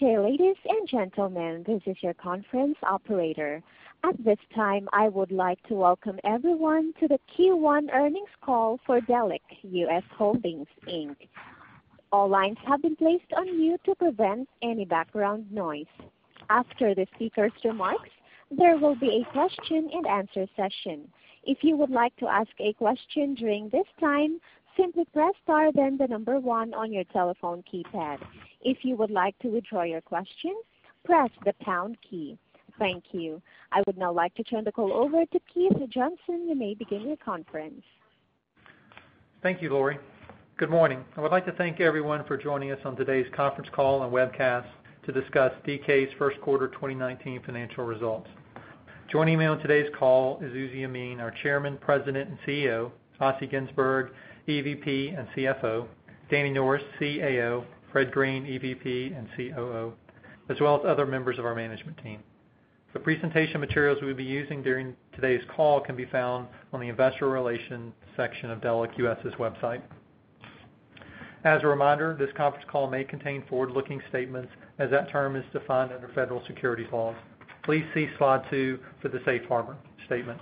Good day, ladies and gentlemen. This is your conference operator. At this time, I would like to welcome everyone to the Q1 earnings call for Delek US Holdings, Inc. All lines have been placed on mute to prevent any background noise. After the speakers' remarks, there will be a question and answer session. If you would like to ask a question during this time, simply press star then the number 1 on your telephone keypad. If you would like to withdraw your question, press the pound key. Thank you. I would now like to turn the call over to Keith Johnson. You may begin your conference. Thank you, Lori. Good morning. I would like to thank everyone for joining us on today's conference call and webcast to discuss DK's first quarter 2019 financial results. Joining me on today's call is Uzi Yemin, our Chairman, President, and CEO, Assi Ginzburg, EVP and CFO, Danny Norris, CAO, Fred Green, EVP and COO, as well as other members of our management team. The presentation materials we'll be using during today's call can be found on the investor relations section of Delek US's website. As a reminder, this conference call may contain forward-looking statements as that term is defined under federal securities laws. Please see slide two for the safe harbor statement.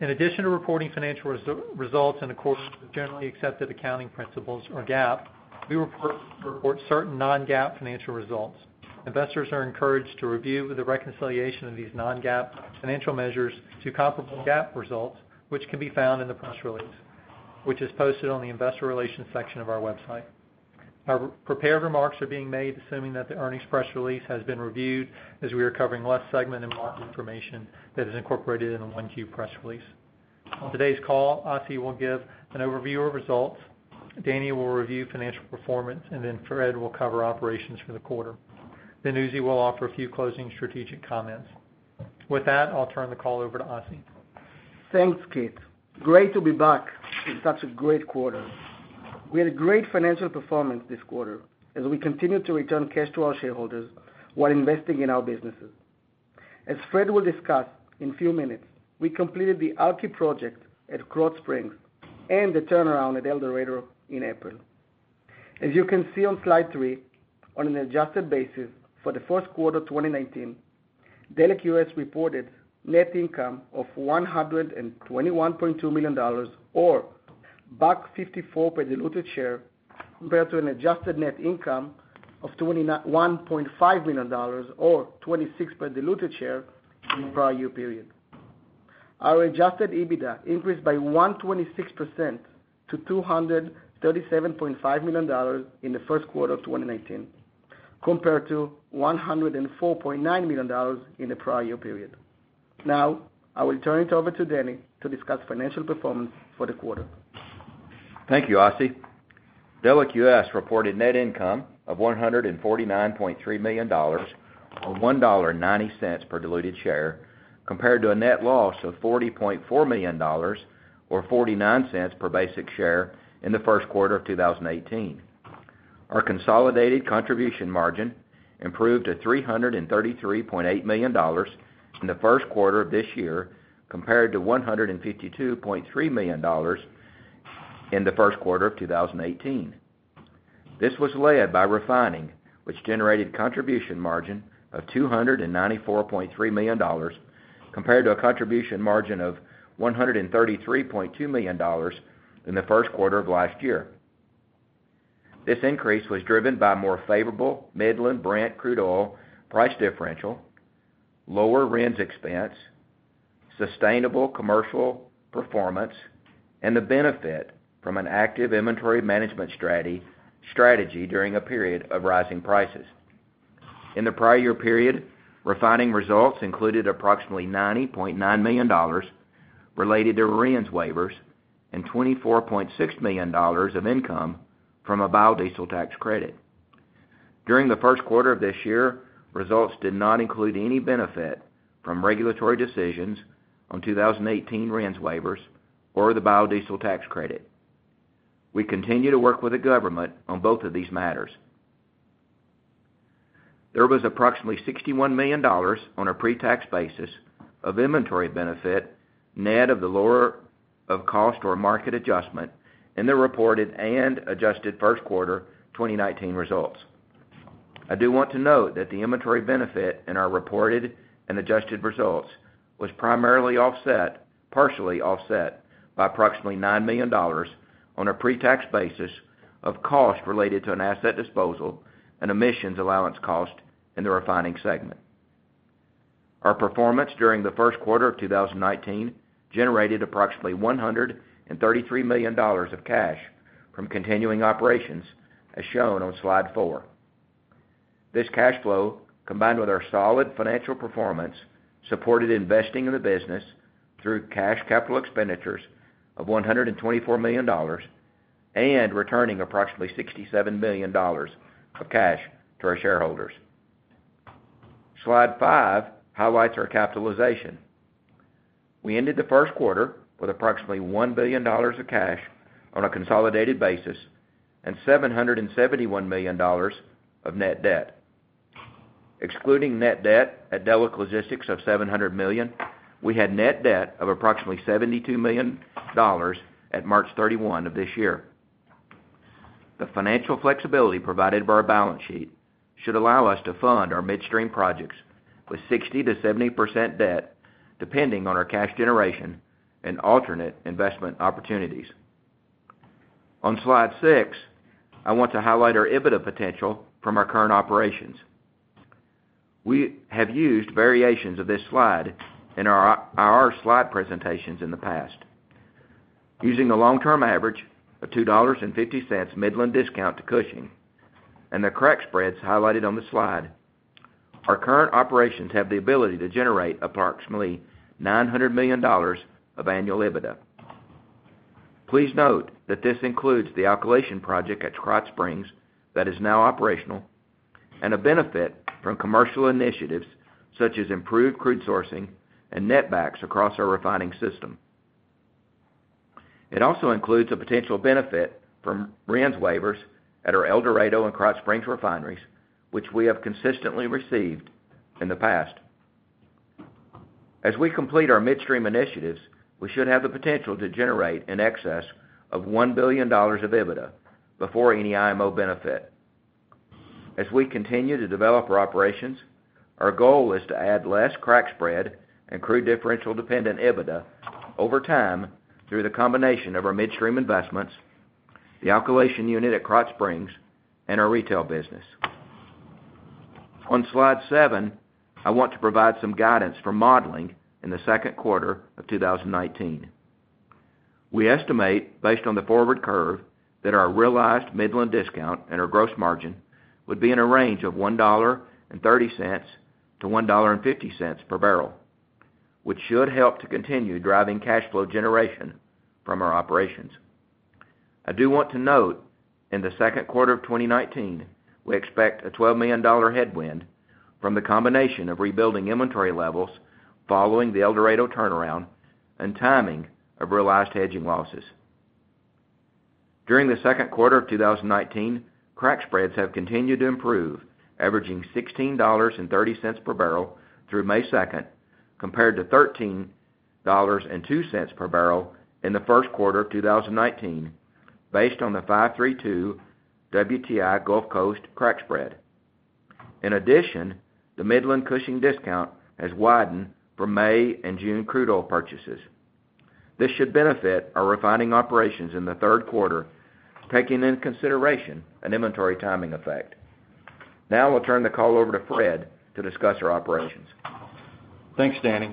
In addition to reporting financial results in accordance with generally accepted accounting principles or GAAP, we report certain non-GAAP financial results. Investors are encouraged to review the reconciliation of these non-GAAP financial measures to comparable GAAP results, which can be found in the press release, which is posted on the investor relations section of our website. Our prepared remarks are being made assuming that the earnings press release has been reviewed, as we are covering less segment and mark information that is incorporated in the 1Q press release. On today's call, Assi will give an overview of results. Then Fred will cover operations for the quarter. Uzi will offer a few closing strategic comments. With that, I'll turn the call over to Assi. Thanks, Keith. Great to be back. It's such a great quarter. We had a great financial performance this quarter as we continue to return cash to our shareholders while investing in our businesses. As Fred will discuss in a few minutes, we completed the alky project at Krotz Springs and the turnaround at El Dorado in April. As you can see on slide three, on an adjusted basis for the first quarter of 2019, Delek US reported net income of $121.2 million or $1.54 per diluted share compared to an adjusted net income of $21.5 million or $26 per diluted share in the prior year period. Our adjusted EBITDA increased by 126% to $237.5 million in the first quarter of 2019 compared to $104.9 million in the prior year period. I will turn it over to Danny to discuss financial performance for the quarter. Thank you, Assi. Delek US reported net income of $149.3 million or $1.90 per diluted share compared to a net loss of $40.4 million or $0.49 per basic share in the first quarter of 2018. Our consolidated contribution margin improved to $333.8 million in the first quarter of this year compared to $152.3 million in the first quarter of 2018. This was led by refining, which generated contribution margin of $294.3 million compared to a contribution margin of $133.2 million in the first quarter of last year. This increase was driven by more favorable Midland-Brent crude oil price differential, lower RINs expense, sustainable commercial performance, and the benefit from an active inventory management strategy during a period of rising prices. In the prior year period, refining results included approximately $90.9 million related to RINs waivers and $24.6 million of income from a biodiesel tax credit. During the first quarter of this year, results did not include any benefit from regulatory decisions on 2018 RINs waivers or the biodiesel tax credit. We continue to work with the government on both of these matters. There was approximately $61 million on a pre-tax basis of inventory benefit, net of the lower of cost or market adjustment in the reported and adjusted first quarter 2019 results. I do want to note that the inventory benefit in our reported and adjusted results was partially offset by approximately $9 million on a pre-tax basis of cost related to an asset disposal and emissions allowance cost in the refining segment. Our performance during the first quarter of 2019 generated approximately $133 million of cash from continuing operations, as shown on slide four. This cash flow, combined with our solid financial performance, supported investing in the business through cash capital expenditures of $124 million and returning approximately $67 million of cash to our shareholders. Slide five highlights our capitalization. We ended the first quarter with approximately $1 billion of cash on a consolidated basis and $771 million of net debt. Excluding net debt at Delek Logistics of $700 million, we had net debt of approximately $72 million at March 31 of this year. The financial flexibility provided by our balance sheet should allow us to fund our midstream projects with 60%-70% debt, depending on our cash generation and alternate investment opportunities. On slide six, I want to highlight our EBITDA potential from our current operations. We have used variations of this slide in our slide presentations in the past. Using the long-term average of $2.50 Midland discount to Cushing and the crack spreads highlighted on the slide, our current operations have the ability to generate approximately $900 million of annual EBITDA. Please note that this includes the alkylation project at Krotz Springs that is now operational, and a benefit from commercial initiatives such as improved crude sourcing and netbacks across our refining system. It also includes a potential benefit from RINs waivers at our El Dorado and Krotz Springs refineries, which we have consistently received in the past. As we complete our midstream initiatives, we should have the potential to generate in excess of $1 billion of EBITDA before any IMO benefit. As we continue to develop our operations, our goal is to add less crack spread and crude differential-dependent EBITDA over time through the combination of our midstream investments, the alkylation unit at Krotz Springs, and our retail business. On slide seven, I want to provide some guidance for modeling in the second quarter of 2019. We estimate, based on the forward curve, that our realized Midland discount and our gross margin would be in a range of $1.30-$1.50 per barrel, which should help to continue driving cash flow generation from our operations. I do want to note in the second quarter of 2019, we expect a $12 million headwind from the combination of rebuilding inventory levels following the El Dorado turnaround and timing of realized hedging losses. During the second quarter of 2019, crack spreads have continued to improve, averaging $16.30 per barrel through May 2nd, compared to $13.02 per barrel in the first quarter of 2019, based on the 5-3-2 WTI Gulf Coast crack spread. In addition, the Midland-Cushing discount has widened for May and June crude oil purchases. This should benefit our refining operations in the third quarter, taking into consideration an inventory timing effect. I'll turn the call over to Fred to discuss our operations. Thanks, Danny.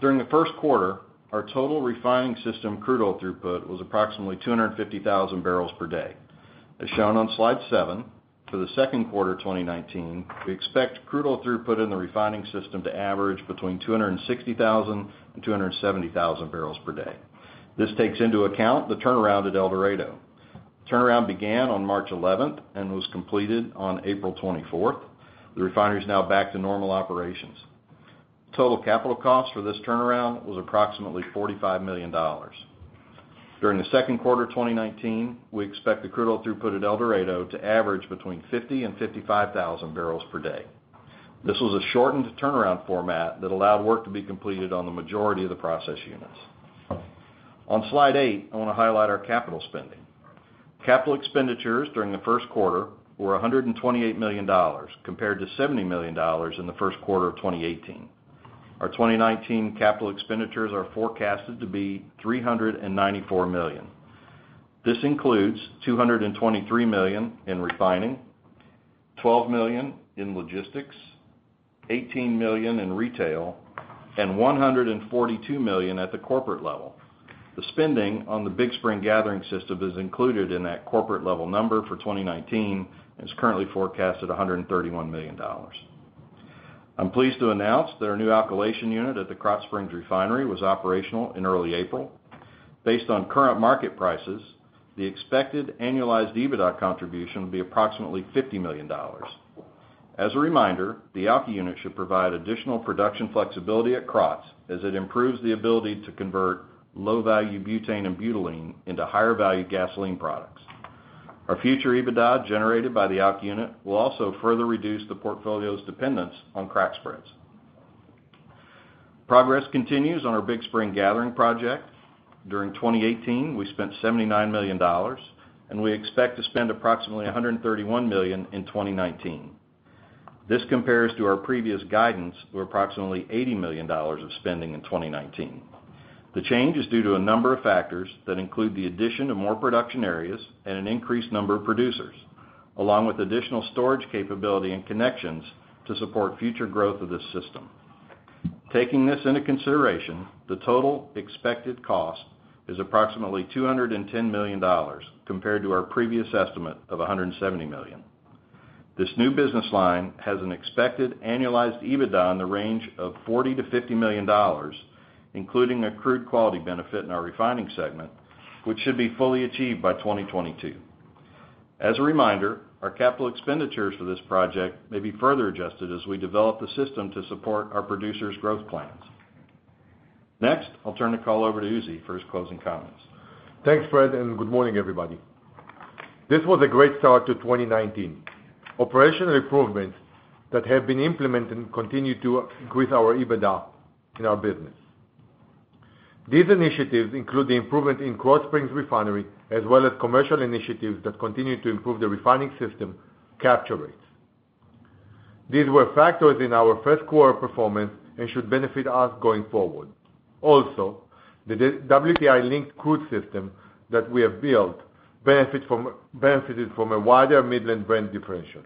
During the first quarter, our total refining system crude oil throughput was approximately 250,000 barrels per day. As shown on slide seven, for the second quarter 2019, we expect crude oil throughput in the refining system to average between 260,000 and 270,000 barrels per day. This takes into account the turnaround at El Dorado. Turnaround began on March 11th and was completed on April 24th. The refinery is now back to normal operations. Total capital cost for this turnaround was approximately $45 million. During the second quarter 2019, we expect the crude oil throughput at El Dorado to average between 50,000 and 55,000 barrels per day. This was a shortened turnaround format that allowed work to be completed on the majority of the process units. On slide eight, I want to highlight our capital spending. Capital expenditures during the first quarter were $128 million compared to $70 million in the first quarter of 2018. Our 2019 capital expenditures are forecasted to be $394 million. This includes $223 million in refining, $12 million in logistics, $18 million in retail, and $142 million at the corporate level. The spending on the Big Spring gathering system is included in that corporate-level number for 2019 and is currently forecast at $131 million. I'm pleased to announce that our new alkylation unit at the Krotz Springs Refinery was operational in early April. Based on current market prices, the expected annualized EBITDA contribution will be approximately $50 million. As a reminder, the alky unit should provide additional production flexibility at Krotz, as it improves the ability to convert low-value butane and butylene into higher-value gasoline products. Our future EBITDA generated by the alky unit will also further reduce the portfolio's dependence on crack spreads. Progress continues on our Big Spring gathering project. During 2018, we spent $79 million, and we expect to spend approximately $131 million in 2019. This compares to our previous guidance of approximately $80 million of spending in 2019. The change is due to a number of factors that include the addition of more production areas and an increased number of producers, along with additional storage capability and connections to support future growth of this system. Taking this into consideration, the total expected cost is approximately $210 million compared to our previous estimate of $170 million. This new business line has an expected annualized EBITDA in the range of $40 to $50 million, including a crude quality benefit in our refining segment, which should be fully achieved by 2022. As a reminder, our capital expenditures for this project may be further adjusted as we develop the system to support our producers' growth plans. Next, I'll turn the call over to Uzi for his closing comments. Thanks, Fred. Good morning, everybody. This was a great start to 2019. Operational improvements that have been implemented continue to increase our EBITDA in our business. These initiatives include the improvement in Krotz Springs refinery, as well as commercial initiatives that continue to improve the refining system capture rates. These were factors in our first quarter performance and should benefit us going forward. The WTI-linked crude system that we have built benefited from a wider Midland-Brent differential.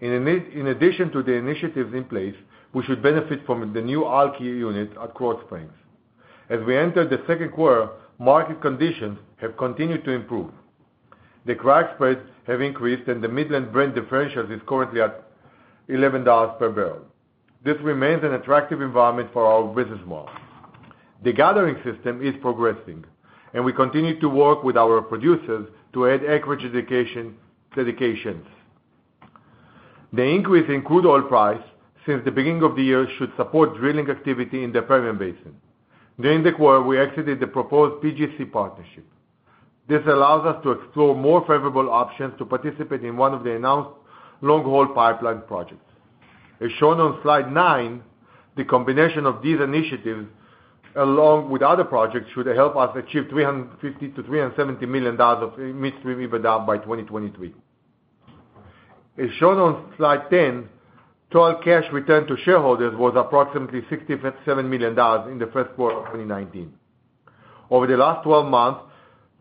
In addition to the initiatives in place, we should benefit from the new alky unit at Krotz Springs. As we enter the second quarter, market conditions have continued to improve. The crack spreads have increased. The Midland-Brent differential is currently at $11 per barrel. This remains an attractive environment for our business model. The gathering system is progressing. We continue to work with our producers to add acreage dedications. The increase in crude oil price since the beginning of the year should support drilling activity in the Permian Basin. During the quarter, we exited the proposed PGC partnership. This allows us to explore more favorable options to participate in one of the announced long-haul pipeline projects. As shown on slide nine, the combination of these initiatives, along with other projects, should help us achieve $350 to $370 million of midstream EBITDA by 2023. As shown on slide 10, total cash return to shareholders was approximately $67 million in the first quarter of 2019. Over the last 12 months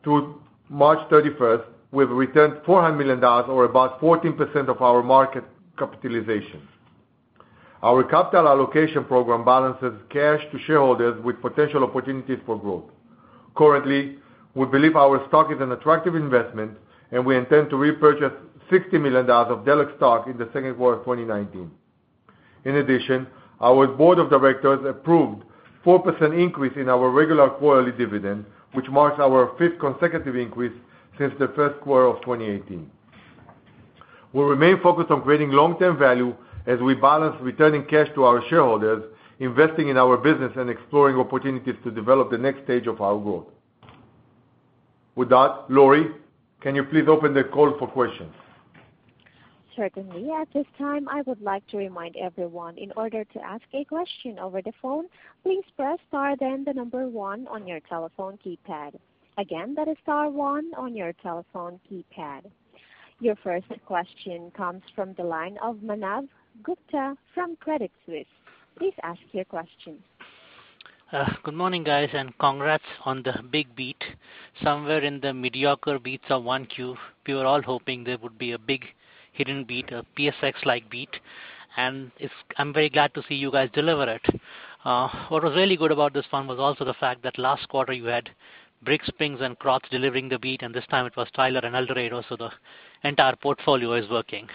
to March 31st, we've returned $400 million or about 14% of our market capitalization. Our capital allocation program balances cash to shareholders with potential opportunities for growth. Currently, we believe our stock is an attractive investment. We intend to repurchase $60 million of Delek stock in the second quarter of 2019. In addition, our board of directors approved a 4% increase in our regular quarterly dividend, which marks our fifth consecutive increase since the first quarter of 2018. We remain focused on creating long-term value as we balance returning cash to our shareholders, investing in our business, and exploring opportunities to develop the next stage of our growth. With that, Lori, can you please open the call for questions? Certainly. At this time, I would like to remind everyone, in order to ask a question over the phone, please press star then the number one on your telephone keypad. Again, that is star one on your telephone keypad. Your first question comes from the line of Manav Gupta from Credit Suisse. Please ask your question. Good morning, guys. Congrats on the big beat. Somewhere in the mediocre beats of 1Q, we were all hoping there would be a big hidden beat, a PSX-like beat. I'm very glad to see you guys deliver it. What was really good about this one was also the fact that last quarter you had Big Spring and Krotz delivering the beat, this time it was Tyler and El Dorado. The entire portfolio is working.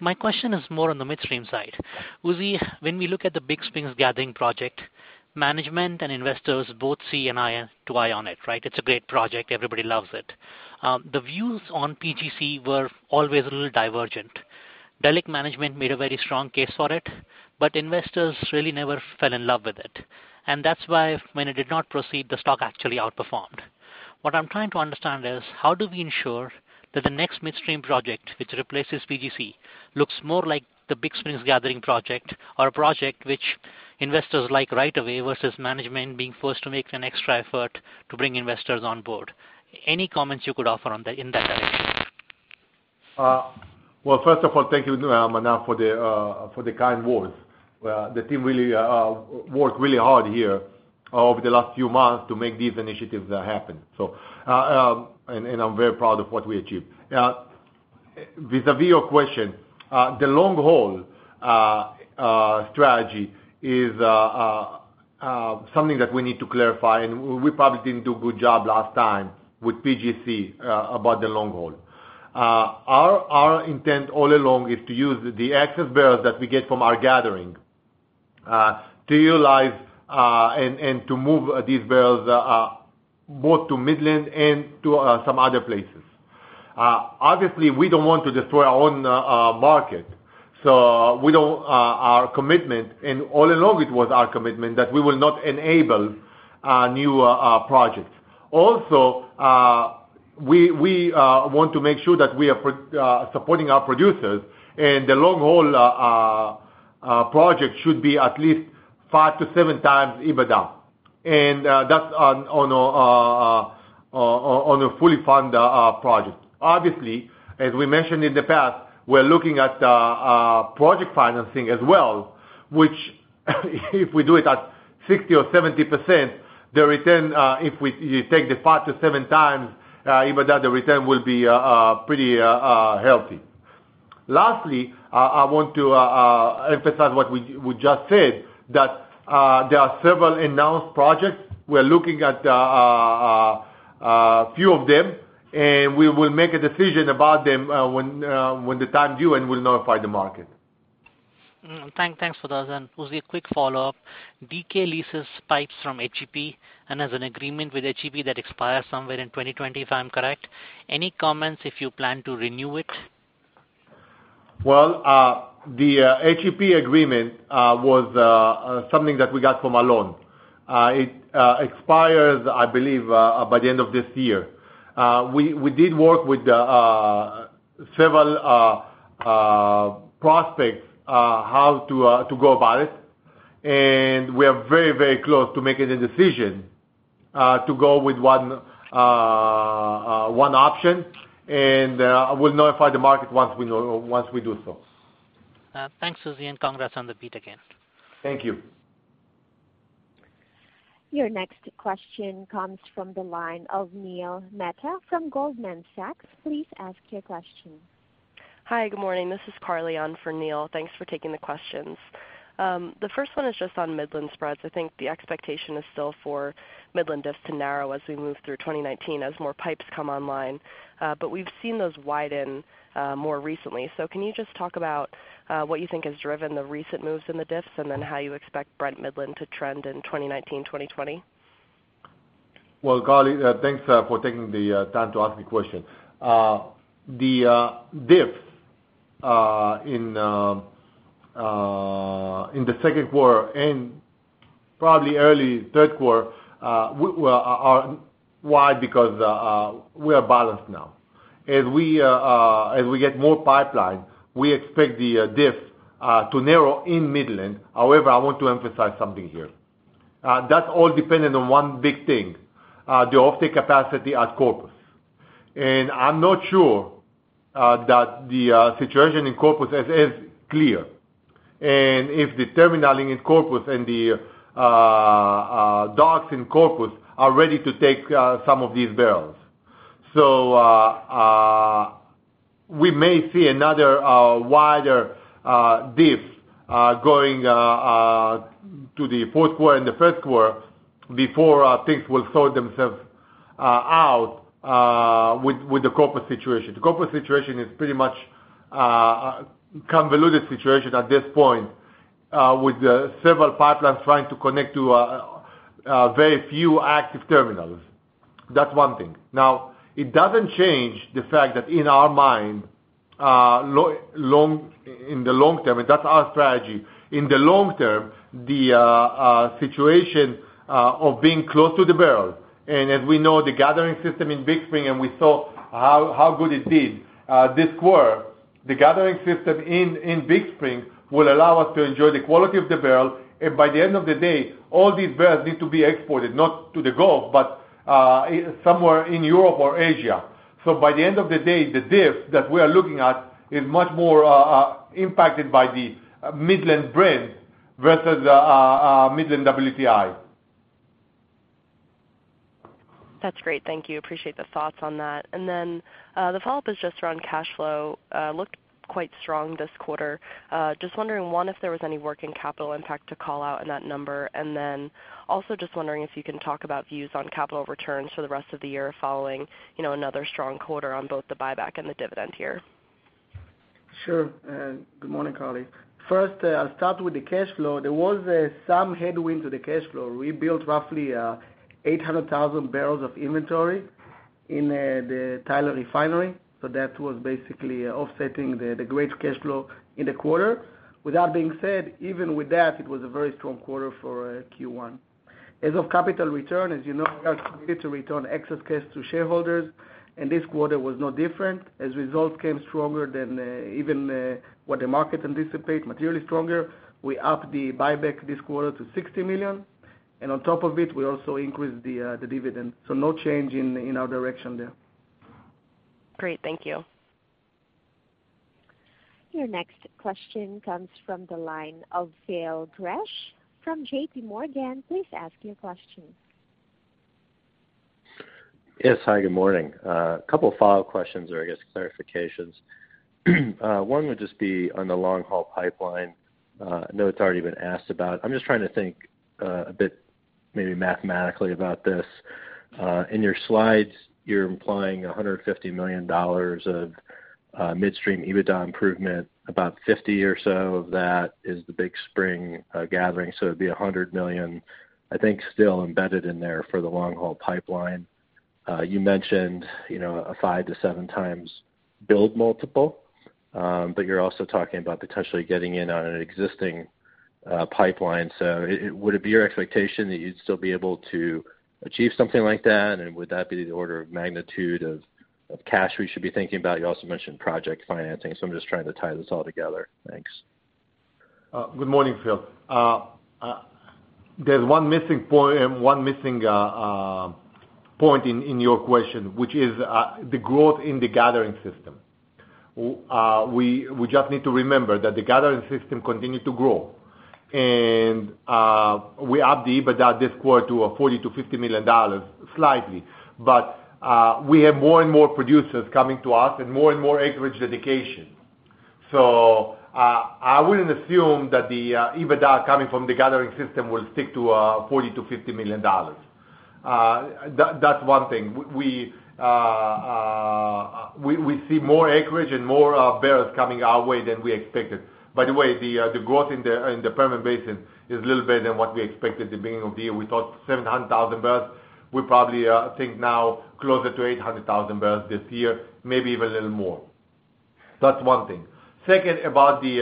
My question is more on the midstream side. Uzi, when we look at the Big Spring gathering project, management and investors both see an eye to eye on it, right? It's a great project. Everybody loves it. The views on PGC were always a little divergent. Delek management made a very strong case for it, investors really never fell in love with it. That's why when it did not proceed, the stock actually outperformed. What I'm trying to understand is how do we ensure that the next midstream project, which replaces PGC, looks more like the Big Spring gathering project or a project which investors like right away versus management being forced to make an extra effort to bring investors on board. Any comments you could offer in that direction? Well, first of all, thank you, Manav, for the kind words. The team really worked really hard here over the last few months to make these initiatives happen. I'm very proud of what we achieved. Vis-a-vis your question. The long-haul strategy is something that we need to clarify, and we probably didn't do a good job last time with PGC about the long haul. Our intent all along is to use the excess barrels that we get from our gathering to utilize and to move these barrels both to Midland and to some other places. Obviously, we don't want to destroy our own market. Our commitment, and all along it was our commitment, that we will not enable new projects. We want to make sure that we are supporting our producers, and the long-haul project should be at least 5 to 7 times EBITDA, and that's on a fully funded project. Obviously, as we mentioned in the past, we're looking at project financing as well, which if we do it at 60% or 70%, the return if you take the 5 to 7 times EBITDA, the return will be pretty healthy. Lastly, I want to emphasize what we just said, that there are several announced projects. We're looking at a few of them, and we will make a decision about them when the time due, and we'll notify the market. Thanks for those. Uzi, a quick follow-up. DK leases pipes from HEP and has an agreement with HEP that expires somewhere in 2020 if I'm correct. Any comments if you plan to renew it? Well, the HEP agreement was something that we got from Alon. It expires, I believe, by the end of this year. We did work with several prospects how to go about it, and we are very close to making a decision to go with one option, and we'll notify the market once we do so. Thanks, Uzi, congrats on the beat again. Thank you. Your next question comes from the line of Neil Mehta from Goldman Sachs. Please ask your question. Hi, good morning. This is Carly on for Neil. Thanks for taking the questions. The first one is just on Midland spreads. I think the expectation is still for Midland diffs to narrow as we move through 2019 as more pipes come online. We've seen those widen more recently. Can you just talk about what you think has driven the recent moves in the diffs, and then how you expect Brent Midland to trend in 2019, 2020? Well, Carly, thanks for taking the time to ask me questions. The diff in the second quarter and probably early third quarter are wide because we are balanced now. As we get more pipeline, we expect the diff to narrow in Midland. However, I want to emphasize something here. That's all dependent on one big thing, the offtake capacity at Corpus. I'm not sure that the situation in Corpus is clear, and if the terminal in Corpus and the docks in Corpus are ready to take some of these barrels. We may see another wider diff going to the fourth quarter and the first quarter before things will sort themselves out with the Corpus situation. The Corpus situation is pretty much a convoluted situation at this point with several pipelines trying to connect to very few active terminals. That's one thing. Now, it doesn't change the fact that in our mind, in the long term, and that's our strategy, in the long term, the situation of being close to the barrel, and as we know, the gathering system in Big Spring, and we saw how good it did this quarter, the gathering system in Big Spring will allow us to enjoy the quality of the barrel. By the end of the day, all these barrels need to be exported, not to the Gulf, but somewhere in Europe or Asia. By the end of the day, the diff that we are looking at is much more impacted by the Midland Brent versus Midland WTI. That's great. Thank you. Appreciate the thoughts on that. The follow-up is just around cash flow. Looked quite strong this quarter. Just wondering, one, if there was any working capital impact to call out in that number. Also just wondering if you can talk about views on capital returns for the rest of the year following another strong quarter on both the buyback and the dividend here. Sure. Good morning, Carly. First, I'll start with the cash flow. There was some headwind to the cash flow. We built roughly 800,000 barrels of inventory in the Tyler Refinery. That was basically offsetting the great cash flow in the quarter. With that being said, even with that, it was a very strong quarter for Q1. As of capital return, as you know, we are committed to return excess cash to shareholders, this quarter was no different. As results came stronger than even what the market anticipate, materially stronger, we upped the buyback this quarter to $60 million, on top of it, we also increased the dividend. No change in our direction there. Great. Thank you. Your next question comes from the line of Phil Gresh from JPMorgan. Please ask your question. Yes. Hi, good morning. A couple follow-up questions or I guess clarifications. One would just be on the long-haul pipeline. I know it's already been asked about. I'm just trying to think a bit maybe mathematically about this. In your slides, you're implying $150 million of midstream EBITDA improvement, about 50 or so of that is the Big Spring gathering, so it'd be $100 million, I think, still embedded in there for the long-haul pipeline. You mentioned a five to seven times build multiple. You're also talking about potentially getting in on an existing pipeline. Would it be your expectation that you'd still be able to achieve something like that? And would that be the order of magnitude of cash we should be thinking about? You also mentioned project financing, so I'm just trying to tie this all together. Thanks. Good morning, Phil. There's one missing point in your question, which is the growth in the gathering system. We just need to remember that the gathering system continued to grow. We upped the EBITDA this quarter to $40 to $50 million, slightly. We have more and more producers coming to us and more and more acreage dedication. I wouldn't assume that the EBITDA coming from the gathering system will stick to $40 to $50 million. That's one thing. We see more acreage and more barrels coming our way than we expected. By the way, the growth in the Permian Basin is a little better than what we expected at the beginning of the year. We thought 700,000 barrels. We probably think now closer to 800,000 barrels this year, maybe even a little more. That's one thing. Second, about the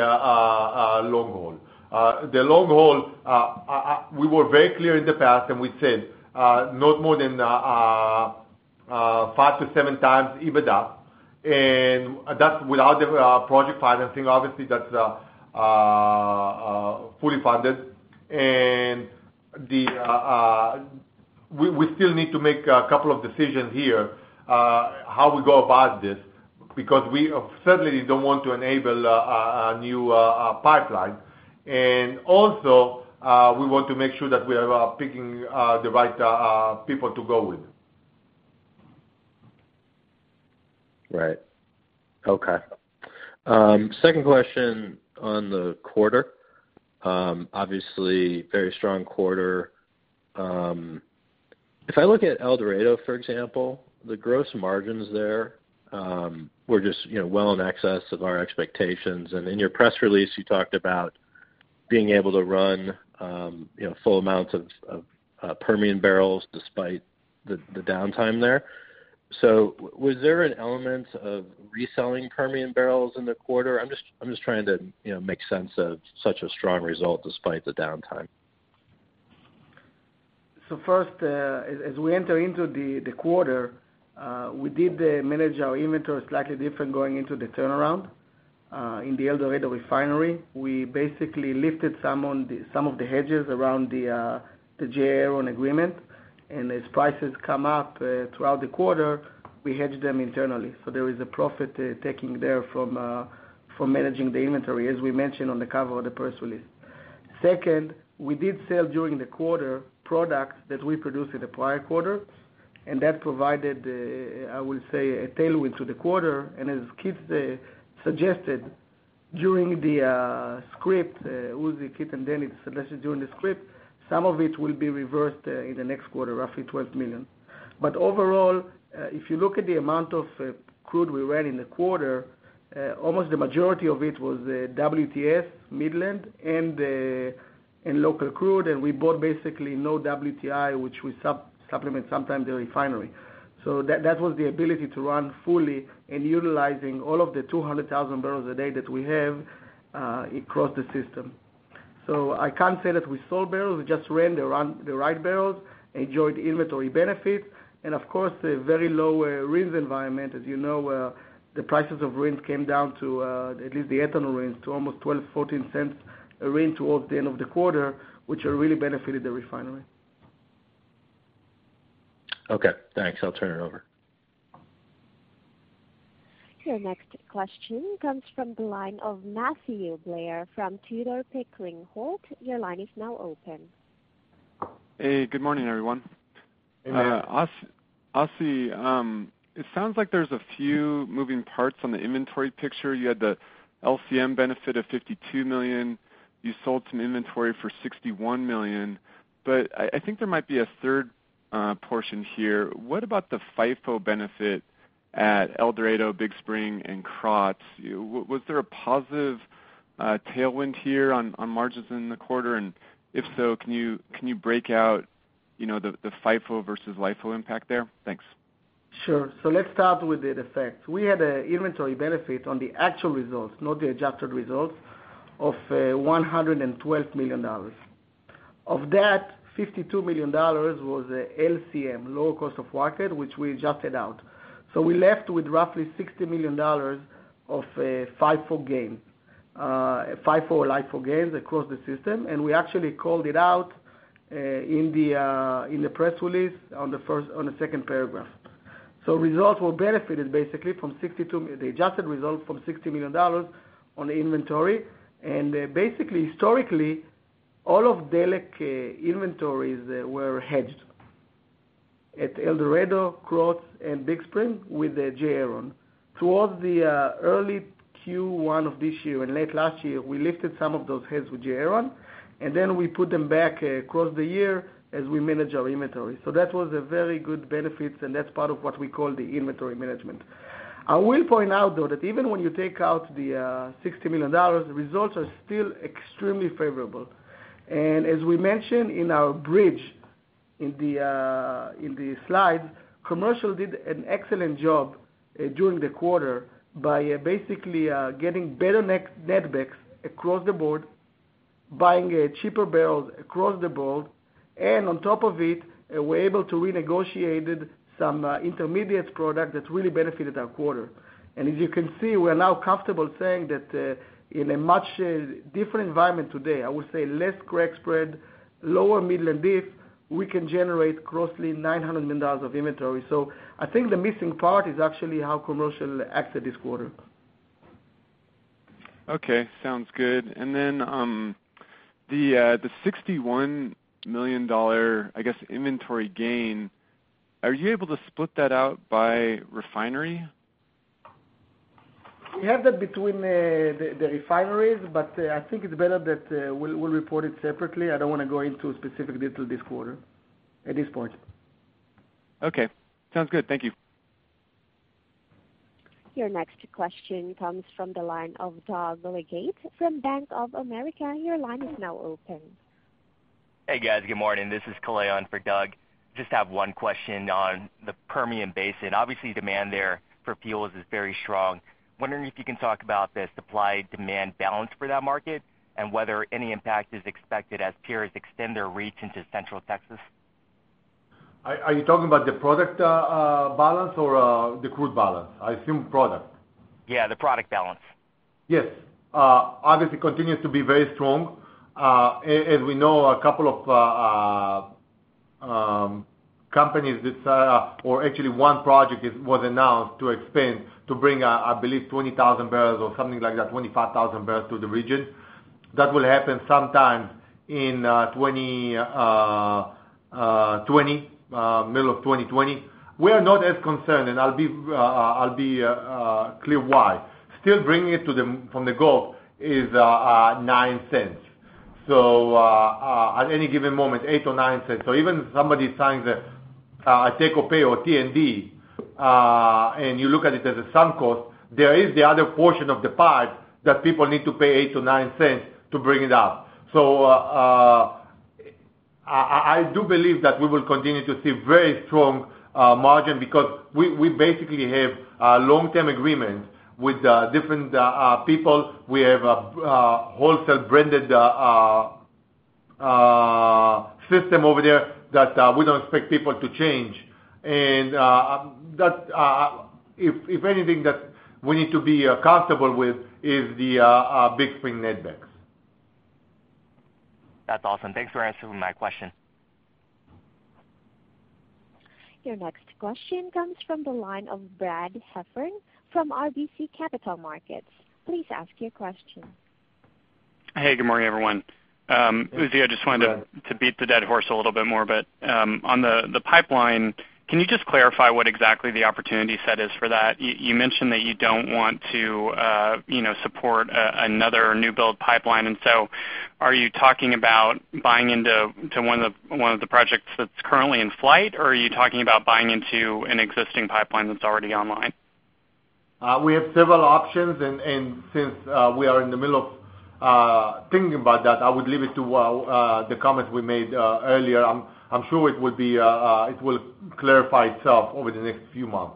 long haul. The long haul, we were very clear in the past, we said, not more than five to seven times EBITDA, that's without the project financing. Obviously, that's fully funded. We still need to make a couple of decisions here, how we go about this, because we certainly don't want to enable a new pipeline. Also, we want to make sure that we are picking the right people to go with. Right. Okay. Second question on the quarter. Obviously, very strong quarter. If I look at El Dorado, for example, the gross margins there were just well in excess of our expectations. In your press release, you talked about being able to run full amounts of Permian barrels despite the downtime there. Was there an element of reselling Permian barrels in the quarter? I'm just trying to make sense of such a strong result despite the downtime. First, as we enter into the quarter, we did manage our inventory slightly different going into the turnaround. In the El Dorado refinery, we basically lifted some of the hedges around the J.Aron agreement. As prices come up throughout the quarter, we hedge them internally. There is a profit taking there from managing the inventory, as we mentioned on the cover of the press release. Second, we did sell during the quarter products that we produced in the prior quarter, that provided, I would say, a tailwind to the quarter. As Keith suggested during the script, Uzi, Keith, and Danny Norris suggested during the script, some of it will be reversed in the next quarter, roughly $12 million. Overall, if you look at the amount of crude we ran in the quarter, almost the majority of it was WTS Midland and local crude. We bought basically no WTI, which we supplement sometimes the refinery. That was the ability to run fully and utilizing all of the 200,000 barrels a day that we have across the system. I can't say that we sold barrels. We just ran the right barrels, enjoyed the inventory benefits, of course, a very low RIN environment. As you know, the prices of RIN came down to, at least the ethanol RINs, to almost $0.12, $0.14 a RIN towards the end of the quarter, which really benefited the refinery. Okay, thanks. I'll turn it over. Your next question comes from the line of Matthew Blair from Tudor, Pickering, Holt & Co.. Your line is now open. Hey, good morning, everyone. Hey, Matt. Assi, it sounds like there's a few moving parts on the inventory picture. You had the LCM benefit of $52 million. You sold some inventory for $61 million. I think there might be a third portion here. What about the FIFO benefit at El Dorado, Big Spring, and Krotz? Was there a positive tailwind here on margins in the quarter? If so, can you break out the FIFO versus LIFO impact there? Thanks. Sure. Let's start with the effect. We had an inventory benefit on the actual results, not the adjusted results, of $112 million. Of that, $52 million was LCM, low cost of market, which we adjusted out. We left with roughly $60 million of FIFO gain, FIFO or LIFO gains across the system, we actually called it out in the press release on the second paragraph. Results were benefited basically from $62, the adjusted results from $60 million on the inventory. Basically, historically, all of Delek inventories were hedged at El Dorado, Krotz, and Big Spring with J. Aron. Towards the early Q1 of this year late last year, we lifted some of those hedges with J. Aron, we put them back across the year as we manage our inventory. That was a very good benefit, that's part of what we call the inventory management. I will point out, though, that even when you take out the $60 million, the results are still extremely favorable. As we mentioned in our bridge in the slides, commercial did an excellent job during the quarter by basically getting better netbacks across the board, buying cheaper barrels across the board, on top of it, we're able to renegotiate some intermediate product that really benefited our quarter. As you can see, we're now comfortable saying that in a much different environment today, I would say less crack spread, lower Midland diff, we can generate closely $900 million of inventory. I think the missing part is actually how commercial acted this quarter. Okay. Sounds good. The $61 million, I guess, inventory gain, are you able to split that out by refinery? We have that between the refineries, but I think it's better that we'll report it separately. I don't want to go into specific detail this quarter at this point. Okay. Sounds good. Thank you. Your next question comes from the line of Doug Leggate from Bank of America. Your line is now open. Hey, guys. Good morning. This is Kalei for Doug. Just have one question on the Permian Basin. Obviously, demand there for fuels is very strong. Wondering if you can talk about the supply-demand balance for that market, and whether any impact is expected as peers extend their reach into Central Texas. Are you talking about the product balance or the crude balance? I assume product. Yeah, the product balance. Yes. Obviously, continues to be very strong. As we know, a couple of companies, or actually one project was announced to expand to bring, I believe, 20,000 barrels or something like that, 25,000 barrels to the region. That will happen sometime in middle of 2020. We are not as concerned, and I'll be clear why. Still bringing it from the Gulf is $0.09. At any given moment, $0.08 or $0.09. Even if somebody signs a take or pay or T&D, and you look at it as a sunk cost, there is the other portion of the pie that people need to pay $0.08 to $0.09 to bring it up. I do believe that we will continue to see very strong margin because we basically have a long-term agreement with different people. We have a wholesale branded system over there that we don't expect people to change. If anything that we need to be comfortable with is the Big Spring netbacks. That's awesome. Thanks for answering my question. Your next question comes from the line of Brad Heffern from RBC Capital Markets. Please ask your question. Hey, good morning, everyone. Hey, Brad. Uzi, I just wanted to beat the dead horse a little bit more, on the pipeline, can you just clarify what exactly the opportunity set is for that? You mentioned that you don't want to support another new build pipeline, are you talking about buying into one of the projects that's currently in flight, or are you talking about buying into an existing pipeline that's already online? We have several options, since we are in the middle of thinking about that, I would leave it to the comments we made earlier. I'm sure it will clarify itself over the next few months.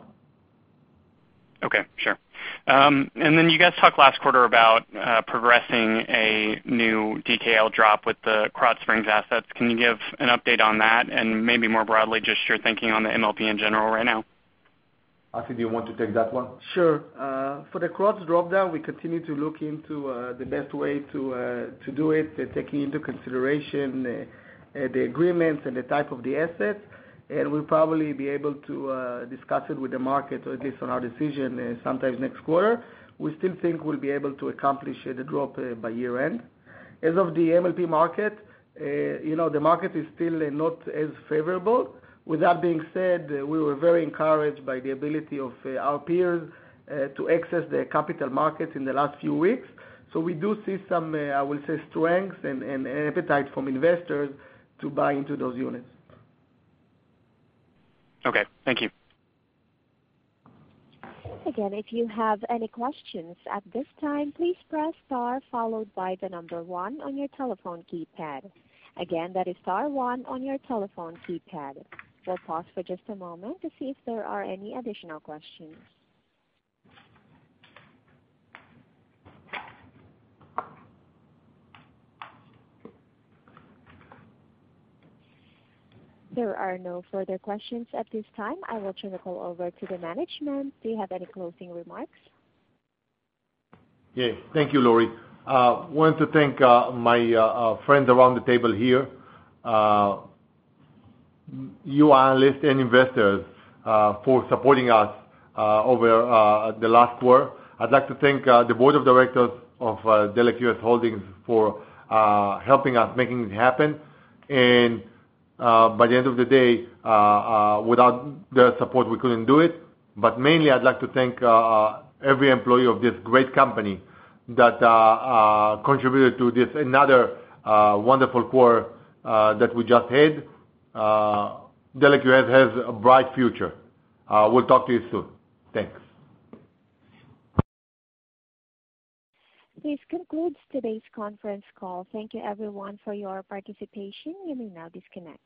Okay, sure. You guys talked last quarter about progressing a new DKL drop with the Krotz Springs assets. Can you give an update on that? Maybe more broadly, just your thinking on the MLP in general right now. Assi, do you want to take that one? Sure. For the Krotz drop-down, we continue to look into the best way to do it, taking into consideration the agreements and the type of the assets. We'll probably be able to discuss it with the market, or at least on our decision, sometime next quarter. We still think we'll be able to accomplish the drop by year-end. As of the MLP market, the market is still not as favorable. With that being said, we were very encouraged by the ability of our peers to access the capital markets in the last few weeks. We do see some, I will say, strength and appetite from investors to buy into those units. Okay, thank you. Again, if you have any questions at this time, please press star followed by the number one on your telephone keypad. Again, that is star one on your telephone keypad. We'll pause for just a moment to see if there are any additional questions. There are no further questions at this time. I will turn the call over to the management. Do you have any closing remarks? Yes. Thank you, Lori. I want to thank my friends around the table here. You analysts and investors for supporting us over the last quarter. I'd like to thank the board of directors of Delek US Holdings for helping us making it happen. By the end of the day, without their support, we couldn't do it. Mainly, I'd like to thank every employee of this great company that contributed to this, another wonderful quarter that we just had. Delek US has a bright future. We'll talk to you soon. Thanks. This concludes today's conference call. Thank you everyone for your participation. You may now disconnect.